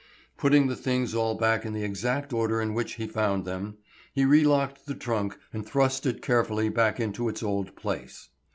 Putting the things all back in the exact order in which he found them, he relocked the trunk and thrust it carefully back into its old place.